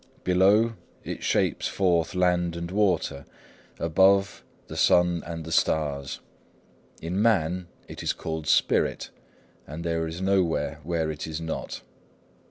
Below, it shapes forth land and water; above, the sun and the stars. In man it is called spirit; and there is nowhere where it is not.